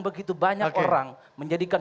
begitu banyak orang menjadikan